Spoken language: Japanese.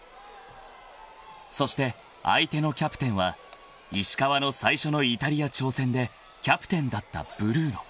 ［そして相手のキャプテンは石川の最初のイタリア挑戦でキャプテンだったブルーノ］